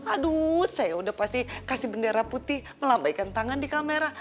aduh saya udah pasti kasih bendera putih melambaikan tangan di kamera